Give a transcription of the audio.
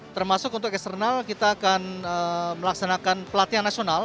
termasuk untuk eksternal kita akan melaksanakan pelatihan nasional